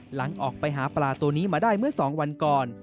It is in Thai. หลังออกไปหาปลาตัวนี้มาได้เมื่อ๒วันก่อน